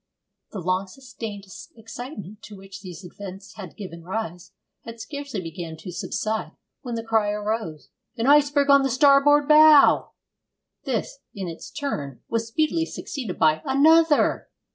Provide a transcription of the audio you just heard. The long sustained excitement to which these events had given rise had scarcely begun to subside when the cry arose, 'An iceberg on the starboard bow!' This, in its turn, was speedily succeeded by 'Another!'